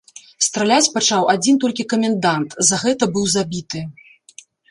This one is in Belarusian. Страляць пачаў адзін толькі камендант, за гэта быў забіты.